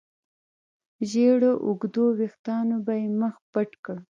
زېړو اوږدو وېښتانو به يې مخ پټ کړ.